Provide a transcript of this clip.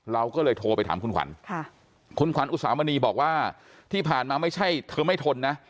เราก็เลยโทรไปถามคุณขวัญคุณขวัญอุสามณีบอกว่าที่ผ่านมาไม่ใช่เธอไม่ทนนะ